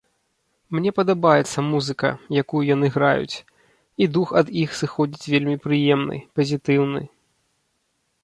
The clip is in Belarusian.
Мне падабаецца музыка, якую яны граюць, і дух ад іх сыходзіць вельмі прыемны, пазітыўны.